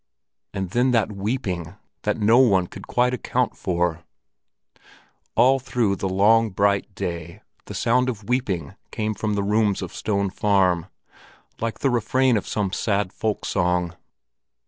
And then that weeping that no one could quite account for! All through the long, bright day, the sound of weeping came from the rooms of Stone Farm, like the refrain of some sad folk song.